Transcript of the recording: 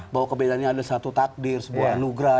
bahwa kebedaannya ada satu takdir sebuah anugerah